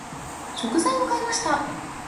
食材を買いました。